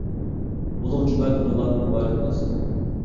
ئۇلۇغ جۈمە كۈنۈڭلارغا مۇبارەك بولسۇن!